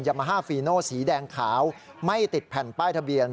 มาฮาฟีโนสีแดงขาวไม่ติดแผ่นป้ายทะเบียน